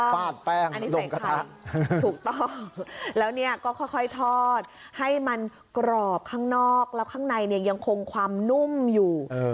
ฟาดแป้งอันนี้ใส่ผักถูกต้องแล้วเนี่ยก็ค่อยทอดให้มันกรอบข้างนอกแล้วข้างในเนี่ยยังคงความนุ่มอยู่